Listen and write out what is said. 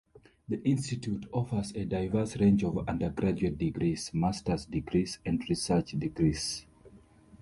The Institute offers a diverse range of Undergraduate Degrees, Master's degrees and Research Degrees.